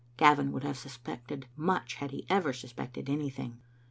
Gavin wonld have suspected much had he ever suspected any thing.